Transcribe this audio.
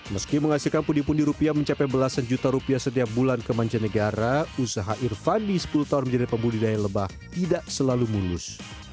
meski menghasilkan pundi pundi rupiah mencapai belasan juta rupiah setiap bulan ke mancanegara usaha irfandi sepuluh tahun menjadi pembudidaya lebah tidak selalu mulus